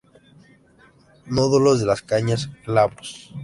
Nódulos de las cañas glabros.